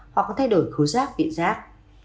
hoặc thay đổi khối giác viện giác